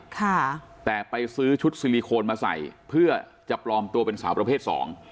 ค่ะแต่ไปซื้อชุดซิลิโคนมาใส่เพื่อจะปลอมตัวเป็นสาวประเภทสอง